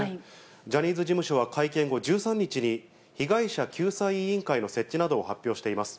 ジャニーズ事務所は会見後、１３日に被害者救済委員会の設置などを発表しています。